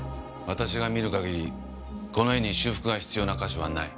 私が見る限りこの絵に修復が必要な箇所はない。